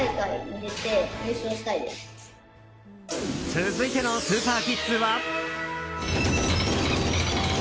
続いてのスーパーキッズは。